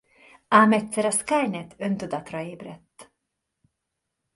Ám egyszer a Skynet öntudatra ébredt.